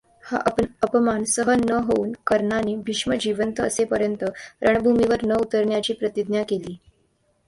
हा अपमान सहन न होऊन कर्णाने भीष्म जिवंत असेपर्यंत रणभूमीवर न उतरण्याची प्रतिज्ञा केली.